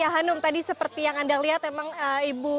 ya hanum tadi seperti yang anda lihat memang ibu